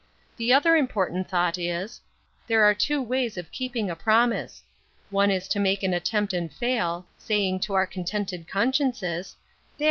The other important thought is, there are two ways of keeping a promise; one is to make an attempt and fail, saying to our contented consciences, 'There!